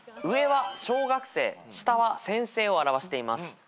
上は小学生下は先生を表しています。